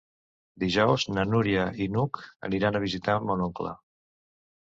Dijous na Núria i n'Hug aniran a visitar mon oncle.